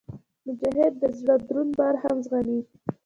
مجاهد د زړه دروند بار هم زغمي.